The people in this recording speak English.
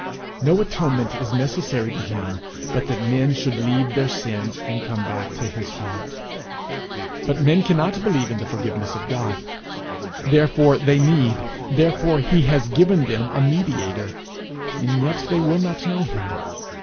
No atonement is necessary to him but that men should leave their sins and come back to his heart. But men cannot believe in the forgiveness of God. Therefore they need, therefore he has given them a mediator. And yet they will not know him.